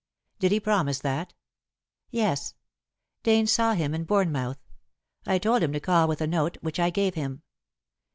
"Did he promise that?" "Yes. Dane saw him in Bournemouth. I told him to call with a note, which I gave him.